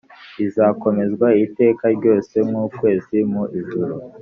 izakomezwa iteka ryose nk ukwezi mu ijuru